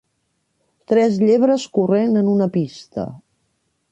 Tres llebres corrent en una pista